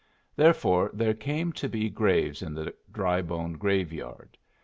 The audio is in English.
Therefore there came to be graves in the Drybone graveyard.